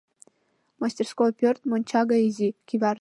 Мастерской пӧрт монча гай изи, кӱвар чытыра.